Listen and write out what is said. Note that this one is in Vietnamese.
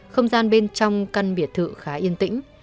không gian bên trong căn biệt thự khá yên tĩnh